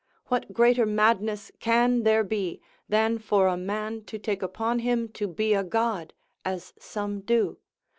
What greater madness can there be, than for a man to take upon him to be a God, as some do?